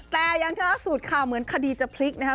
แต่อย่างที่ล่าสุดค่ะเหมือนคดีจะพลิกนะครับ